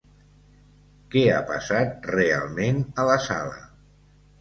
Què ha passat realment a la sala?